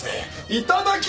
いただきま。